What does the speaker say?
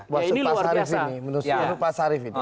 menurut saya ini menurut saya ini pak sarif ini